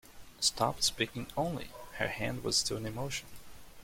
Stopped speaking only; her hand was still in motion.